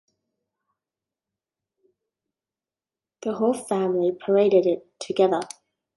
The whole family paraded it together.